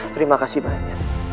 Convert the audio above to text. terima kasih banyak